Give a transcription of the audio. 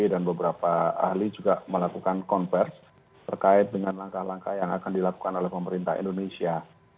dan beberapa ahli juga melakukan konversi terkait dengan langkah langkah yang akan dilakukan oleh pemerintah indonesia